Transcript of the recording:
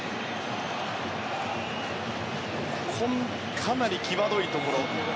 かなり際どいところ。